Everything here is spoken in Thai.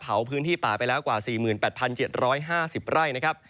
พื้นที่ป่าไปแล้วกว่า๔๘๗๕๐ไร่นะครับ